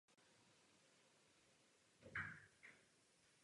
Obvykle má však efektivní déšť intenzitu proměnlivou.